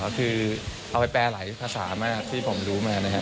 คือเอาไปแปลหลายภาษามากที่ผมรู้มานะครับ